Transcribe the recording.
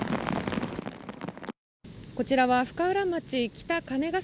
こちらは深浦町北金ヶ